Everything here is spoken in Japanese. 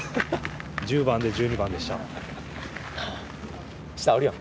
１０番で１２番でした。